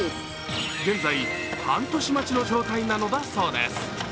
現在、半年待ちの状態なのだそうです。